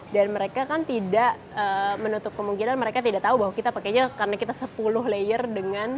dan mereka kan tidak menutup kemungkinan mereka tidak tahu bahwa kita pakai nya karena kita sepuluh layer dengan